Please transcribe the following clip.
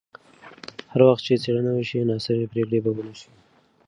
هر وخت چې څېړنه وشي، ناسمې پرېکړې به ونه شي.